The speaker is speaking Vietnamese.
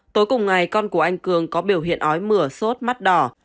tối cùng ngày con của anh cường có biểu hiện ói mửa sốt mắt đỏ